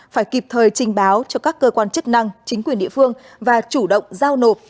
phải kịp thời trình báo cho các cơ quan chức năng chính quyền địa phương và chủ động giao nộp